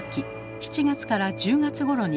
７月から１０月ごろにかけて。